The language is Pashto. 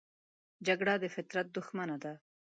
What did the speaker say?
جګړه د فطرت دښمنه ده